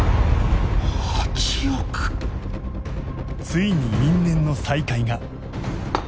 ついに因縁の再会が